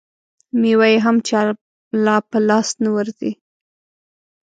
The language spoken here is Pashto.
مېوه یې هم چا له په لاس نه ورځي.